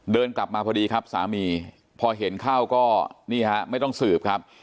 กลับมาพอดีครับสามีพอเห็นเข้าก็นี่ฮะไม่ต้องสืบครับ